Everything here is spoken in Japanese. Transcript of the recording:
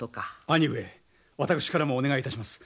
兄上私からもお願いいたします。